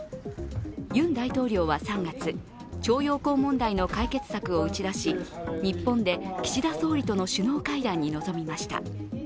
ユン大統領は３月、徴用工問題の解決策を打ち出し日本で岸田総理との首脳会談に臨みました。